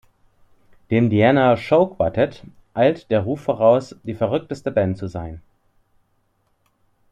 Dem "Diana Show Quartett" eilte der Ruf voraus, die verrückteste Band zu sein.